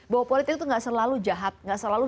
bahwa politik itu nggak selalu jahat gak selalu